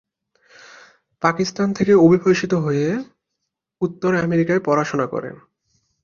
পাকিস্তান থেকে অভিবাসিত হয়ে উত্তর আমেরিকায় পড়াশোনা করেন।